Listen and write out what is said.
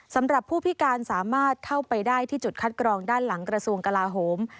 สำหรับผู้พิการสามารถเข้าไปได้ที่จุดคัดกรองด้านหลังกระทรวงกลาโหม